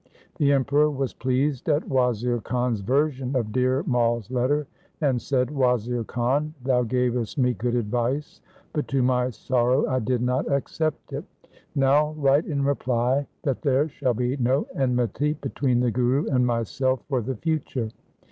The Emperor was pleased at Wazir Khan's version of Dhir Mai's letter and said, ' Wazir Khan, thou gavest me good advice, but to my sorrow I did not accept it. Now write in reply that there shall be no enmity between the Guru and myself for the future.'